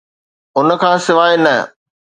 ان کان سواء نه.